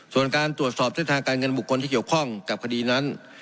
ส่วนการตรวจสอบเส้นทางการเงินบุคคลที่เกี่ยวข้องกับคดีนั้น